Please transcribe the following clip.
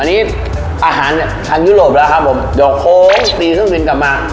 อันนี้อาหารจากทางยุโรปแล้วครับผมเดี๋ยวโค้งตีเครื่องบินกลับมา